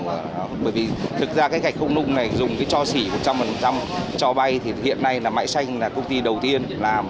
bởi vì thực ra gạch không nung này dùng cho xỉ một trăm linh cho bay thì hiện nay mãi xanh là công ty đầu tiên làm